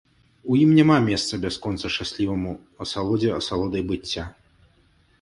У ім няма месца бясконца шчасліваму асалодзе асалодай быцця.